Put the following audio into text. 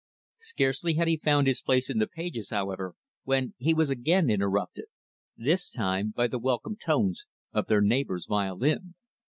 Scarcely had he found his place in the pages, however, when he was again interrupted this time, by the welcome tones of their neighbor's violin.